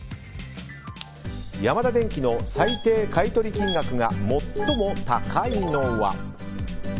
ヤマダデンキの最低買い取り金額が最も高いのは。